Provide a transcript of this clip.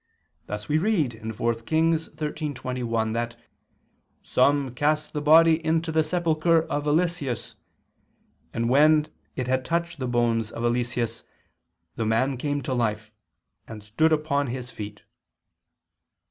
Thus we read (4 Kings 13:21) that "some ... cast the body into the sepulchre of Eliseus. And when it had touched the bones of Eliseus, the man came to life, and stood upon his feet."